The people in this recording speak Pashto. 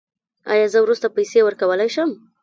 ایا زه وروسته پیسې ورکولی شم؟